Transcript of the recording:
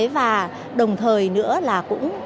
và đồng thời nữa là cũng